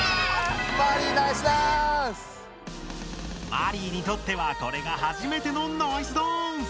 マリイにとってはこれが初めてのナイスダンス！